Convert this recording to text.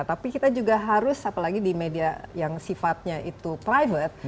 tapi kita juga harus apalagi di media yang sifatnya itu private